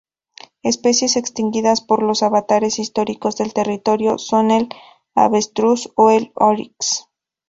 Especies extinguidas por los avatares históricos del territorio son el avestruz o el oryx.